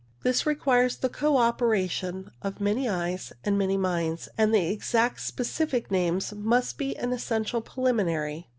This requires the co operation of many eyes and many minds, and exact specific names must be an essential preliminary.